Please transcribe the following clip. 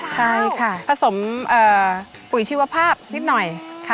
ใช่ค่ะผสมปุ๋ยชีวภาพนิดหน่อย